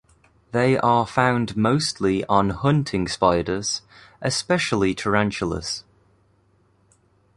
They are found mostly on hunting spiders, especially tarantulas.